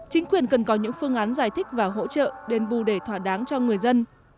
chính quyền cần có những phương án giải thích và hỗ trợ đền bù để thỏa đáng cho người dân